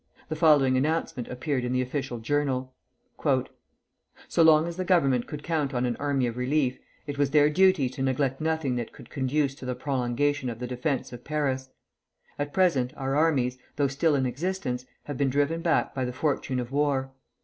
The following announcement appeared in the official journal: "So long as the Government could count on an army of relief, it was their duty to neglect nothing that could conduce to the prolongation of the defence of Paris. At present our armies, though still in existence, have been driven back by the fortune of war....